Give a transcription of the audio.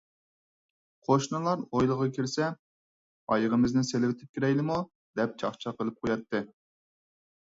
قوشنىلار ھويلىغا كىرسە: «ئايىغىمىزنى سېلىۋېتىپ كىرەيلىمۇ؟ » دەپ چاقچاق قىلىپ قوياتتى.